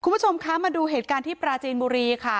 คุณผู้ชมคะมาดูเหตุการณ์ที่ปราจีนบุรีค่ะ